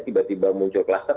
tiba tiba muncul kluster